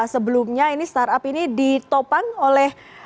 sebelumnya ini startup ini ditopang oleh